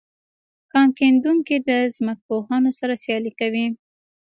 کان کیندونکي د ځمکپوهانو سره سیالي کوي